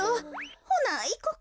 ほないこか？